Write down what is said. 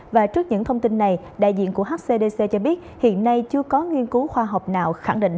và trước những thông tin này đại diện của hcdc cho biết hiện nay chưa có nghiên cứu khoa học nào khẳng định